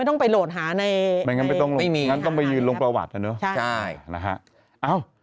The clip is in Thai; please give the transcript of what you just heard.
ต้องเช็คเอาด้วยนะ